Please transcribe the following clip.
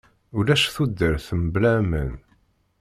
Ulac tudert mebla aman.